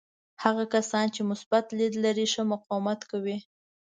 هغه کسان چې مثبت لید لري ښه مقاومت کوي.